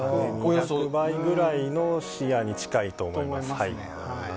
そのぐらいの視野に近いと思います。